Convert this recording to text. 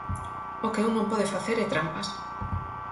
O que un non pode facer é trampas.